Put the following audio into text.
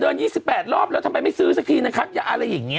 ๒๘รอบแล้วทำไมไม่ซื้อสักทีนะครับอย่าอะไรอย่างนี้